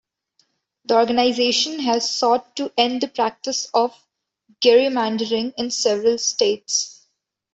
The organization has sought to end the practice of gerrymandering in several states.